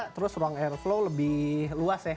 terus ruang air flow lebih luas ya